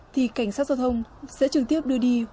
thì cảnh sát giao thông sẽ trực tiếp đưa đi